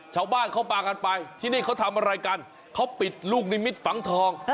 ชาวบ้านเขาพากันไปที่นี่เขาทำอะไรกันเขาปิดลูกนิมิตฝังทอง